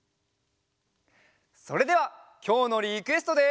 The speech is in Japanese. それではきょうのリクエストで。